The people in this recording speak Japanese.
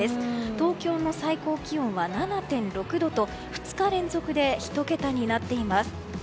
東京の最高気温は７．６度と２日連続で１桁になっています。